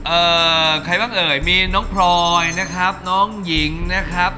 เอ่อใครบ้างเอ่ยมีน้องพลอยนะครับน้องหญิงนะครับ